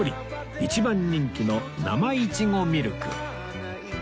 一番人気の生いちごみるく